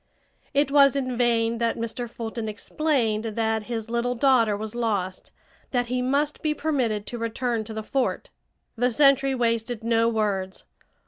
It was in vain that Mr. Fulton explained that his little daughter was lost, that he must be permitted to return to the fort. The sentry wasted no words.